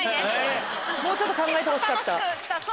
もうちょっと考えてほしかった。